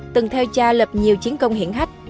từng theo cha lập nhiều chiến công hiển hách